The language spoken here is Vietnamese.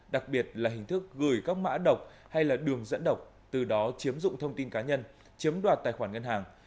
đặc biệt là hình thức gửi các mã độc hay là đường dẫn độc từ đó chiếm dụng thông tin cá nhân chiếm đoạt tài khoản ngân hàng